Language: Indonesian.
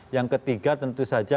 yang ketiga tentu saja